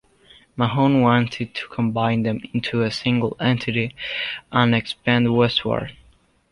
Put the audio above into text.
Mahone wanted to combine them into a single entity and expand westward.